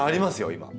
今。